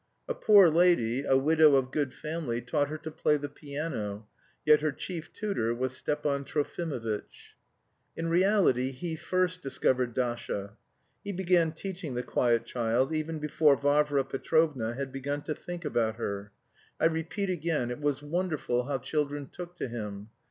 A poor lady, a widow of good family, taught her to play the piano. Yet her chief tutor was Stepan Trofimovitch. In reality he first discovered Dasha. He began teaching the quiet child even before Varvara Petrovna had begun to think about her. I repeat again, it was wonderful how children took to him.